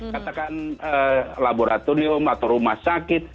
katakan laboratorium atau rumah sakit